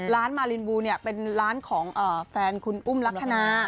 ร้านมารินวูลเป็นร้านของแฟนคุณอุ้มลักษณะ